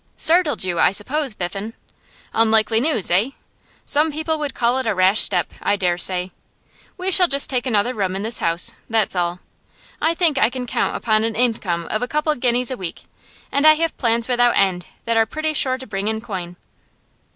Startled you, I suppose, Biffen? Unlikely news, eh? Some people would call it a rash step, I dare say. We shall just take another room in this house, that's all. I think I can count upon an income of a couple of guineas a week, and I have plans without end that are pretty sure to bring in coin.